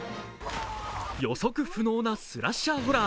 予測不能なスラッシャーホラー